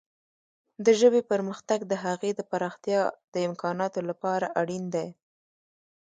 د ژبې پرمختګ د هغې د پراختیا د امکاناتو لپاره اړین دی.